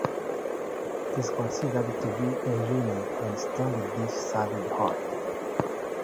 It’s considered to be a unique and strong dish served hot.